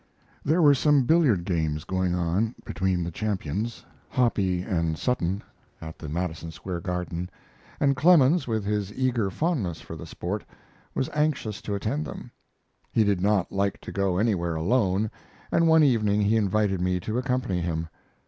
There were some billiard games going on between the champions Hoppe and Sutton, at the Madison Square Garden, and Clemens, with his eager fondness for the sport, was anxious to attend them. He did not like to go anywhere alone, and one evening he invited me to accompany him.